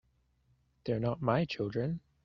They're not my children.